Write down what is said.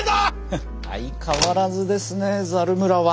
フッ相変わらずですねザル村は。